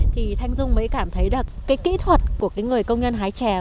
thì thanh dung mới cảm thấy được cái kỹ thuật của người công nhân hái trà